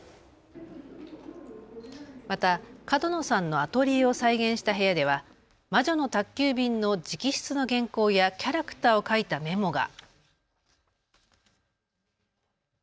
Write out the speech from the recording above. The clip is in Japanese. また角野さんのアトリエを再現した部屋では魔女の宅急便の直筆の原稿やキャラクターを描いたメモが。